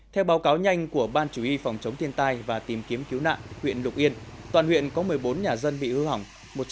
theo báo cáo nhanh của ban chủ y phòng chống thiên tai và tìm kiếm cứu nạn huyện lục yên toàn huyện có một mươi bốn nhà dân bị hư hỏng